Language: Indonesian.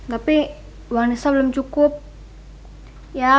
terima kasih ya